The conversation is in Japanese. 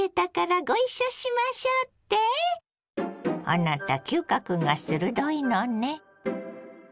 あなた嗅覚が鋭いのね。